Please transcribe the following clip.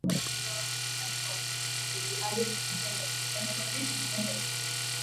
Wasikilizaji waendelea kushiriki moja kwa moja hasa katika matangazo yetu ya Sauti ya Amerika Express